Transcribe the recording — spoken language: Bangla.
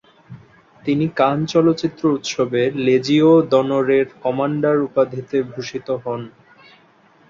তিনি কান চলচ্চিত্র উৎসবে লেজিওঁ দনরের কমান্ডার উপাধিতে ভূষিত হন।